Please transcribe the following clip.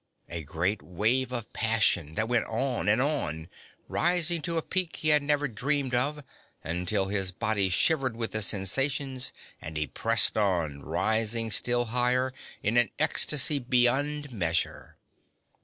a great wave of passion that went on and on, rising to a peak he had never dreamed of until his body shivered with the sensations, and he pressed on, rising still higher in an ecstasy beyond measure....